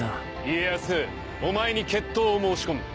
家康お前に決闘を申し込む。